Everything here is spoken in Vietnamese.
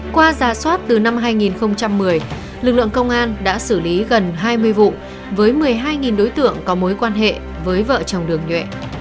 qua giả soát từ năm hai nghìn một mươi lực lượng công an đã xử lý gần hai mươi vụ với một mươi hai đối tượng có mối quan hệ với vợ chồng đường nhuệ